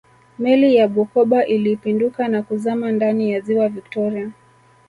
meli ya bukoba ilipinduka na kuzama ndani ya ziwa victoria